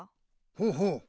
ほうほう。